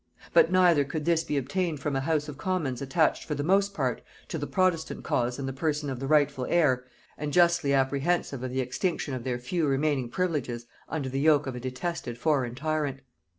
But neither could this be obtained from a house of commons attached for the most part to the protestant cause and the person of the rightful heir, and justly apprehensive of the extinction of their few remaining privileges under the yoke of a detested foreign tyrant.